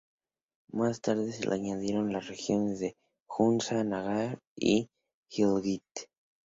Más tarde, se le añadieron las regiones de Hunza, Nagar, y Gilgit.